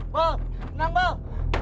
bal tenang bal